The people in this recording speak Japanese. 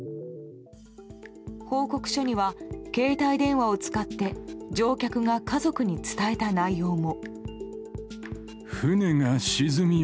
報告書には携帯電話を使って乗客が家族に伝えた内容も。